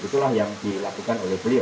itulah yang dilakukan oleh beliau